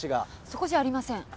そこじゃありません。